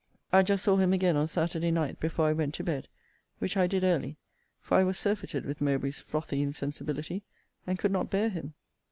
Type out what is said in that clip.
I just saw him again on Saturday night before I went to bed; which I did early; for I was surfeited with Mowbray's frothy insensibility, and could not bear him.